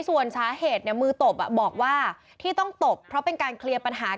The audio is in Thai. ส่วนสาเหตุมือตบบอกว่าที่ต้องตบเพราะเป็นการเคลียร์ปัญหา